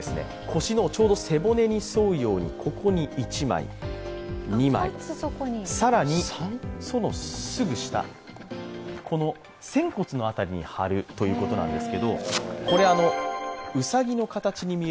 腰のちょうど背骨に沿うように、ここに２枚、更にそのすぐ下この仙骨の辺りに貼るということなんです。